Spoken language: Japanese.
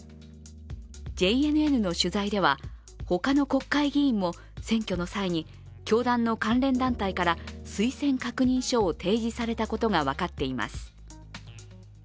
ＪＮＮの取材では、他の国会議員も選挙の際に教団の関連団体から推薦確認書を提示されたことが分かっています。